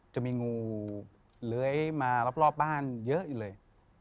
จะมีงูเลื้อยมารอบบ้านเยอะอยู่เลย